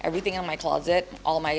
semua bagian di klozit aku